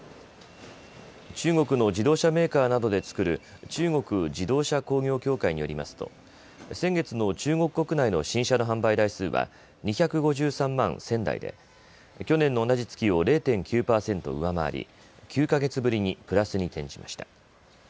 中国の自動車メーカーなどで作る中国自動車工業協会によりますと先月の中国国内の新車の販売台数は２５３万１０００台で去年の同じ月を０．９％上回り９か月ぶりにプラスに転じました。